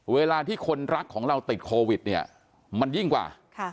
เวลาที่คนรักของเราติดโควิดเนี่ยมันยิ่งกว่า